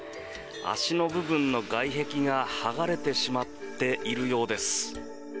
足の部分の外壁が剥がれてしまっているようです。